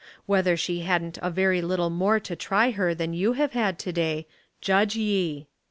Whether she hadn't a very little more to try her than you have had to day, judge ye.